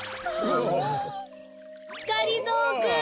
がりぞーくん。